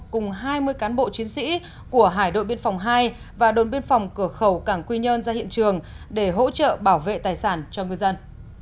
cùng hai mươi cán bộ chiến sĩ của hải đội biên phòng hai và đồn biên phòng cửa khẩu cảng quy nhơn ra hiện trường để hỗ trợ bảo vệ tài sản cho ngư dân